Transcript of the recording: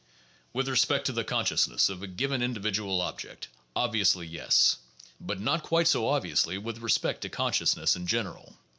With respect to the consciousness of a given individual object, obviously yes ; but not quite so obviously with re gard to consciousness in general.